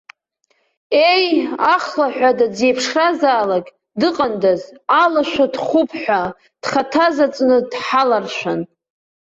Ее, ахлаҳәада, дзеиԥшразаалак дыҟандаз, алашәа дхәуп ҳәа, дхаҭазаҵәны дҳаларшәын!